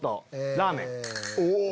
ラーメン。